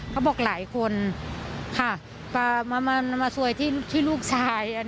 เขาบอกหลายคนค่ะมาซวยที่ลูกชาย